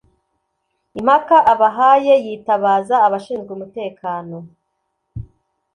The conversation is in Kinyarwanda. impaka abahaye yitabaza abashinzwe umutekano